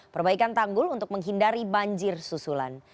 perbaikan tanggul untuk menghindari banjir susulan